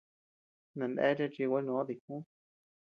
Naneachea chi gua noo dijú.